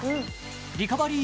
リカバリー